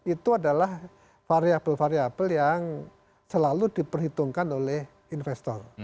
itu adalah variable variable yang selalu diperhitungkan oleh investor